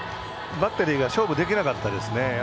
バッテリーが勝負できなかったですね。